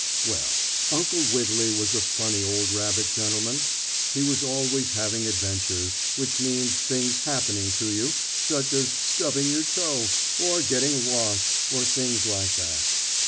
Well, Uncle Wiggily was a funny old rabbit gentleman. He was always having adventures which means things happening to you, such as stubbing your toe, or getting lost or things like that.